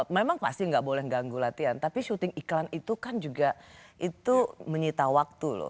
memang pasti nggak boleh ganggu latihan tapi syuting iklan itu kan juga itu menyita waktu loh